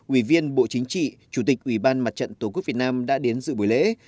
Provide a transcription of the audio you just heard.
ủy viên bộ chính trị chủ tịch ủy ban mặt trận tổ quốc việt nam đã đến dự buổi lễ